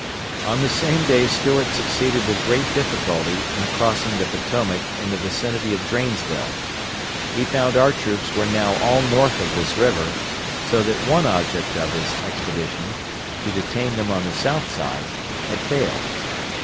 On the same day Stuart succeeded with great difficulty in crossing the Potomac in the vicinity of Drainsville. He found our troops were now all north of this river, so that one object of his expedition to detain them on the south side had failed.